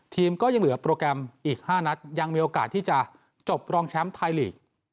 ทีมก็ยังเหลือโปรแกรมอีก๕นัดยังมีโอกาสที่จะจบรองแชมป์ไทยลีก